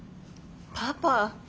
パパ。